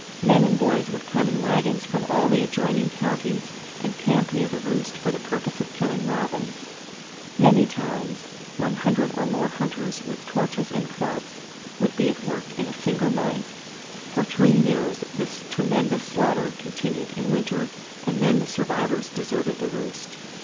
Men and boys would come in wagons from all the adjoining counties and camp near the roost for the purpose of killing robins. Many times, [Page 108] 100 or more hunters with torches and clubs would be at work in a single night. For three years this tremendous slaughter continued in winter,—and then the survivors deserted the roost."